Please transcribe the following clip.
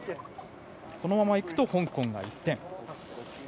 このままいくと香港が１点。